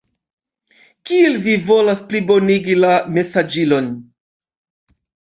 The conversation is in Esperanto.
Kiel vi volas plibonigi la mesaĝilon?